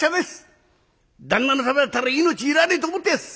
旦那のためだったら命いらねえと思っていやす！